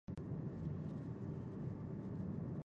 زاړه او نوي سره ګډ دي.